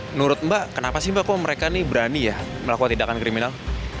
menurut mbak kenapa sih mbak kok mereka nih berani ya melakukan tindakan kriminal